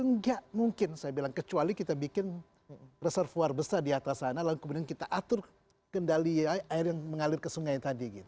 enggak mungkin saya bilang kecuali kita bikin reservoir besar di atas sana lalu kemudian kita atur kendali air yang mengalir ke sungai tadi